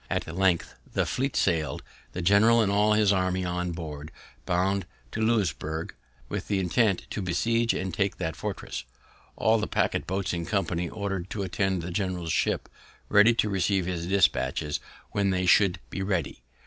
At length the fleet sail'd, the general and all his army on board, bound to Louisburg, with the intent to besiege and take that fortress; all the packet boats in company ordered to attend the general's ship, ready to receive his dispatches when they should be ready.